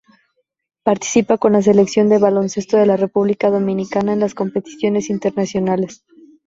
Participa con la Selección de baloncesto de la República Dominicana en las competiciones internacionales.